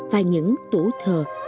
và những tủ thờ